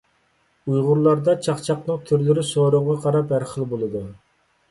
ئۇيغۇرلاردا چاقچاقنىڭ تۈرلىرى سورۇنغا قاراپ ھەر خىل بولىدۇ.